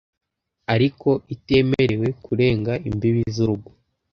ariko itemerewe kurenga imbibi z’urugo.